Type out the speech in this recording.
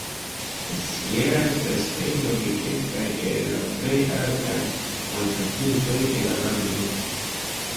La "sierra" estas hejmo de kelkaj el la plej altaj montopintoj de la lando.